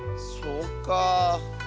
そうか。